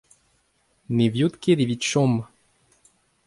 ne viot ket evit chom.